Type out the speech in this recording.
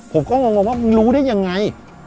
ผมก็งงว่ามึงรู้ได้ยังไง